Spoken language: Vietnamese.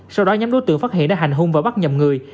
sau đó nhóm đối tượng phát hiện đã hành hung và bắt nhầm người